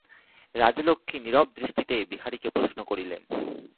রাজলক্ষ্মী নীরব দৃষ্টিতে বিহারীকে প্রশ্ন করিলেন।